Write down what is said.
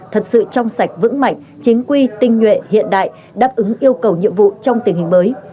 thật sự trong sạch vững mạnh chính quy tinh nhuệ hiện đại đáp ứng yêu cầu nhiệm vụ trong tình hình mới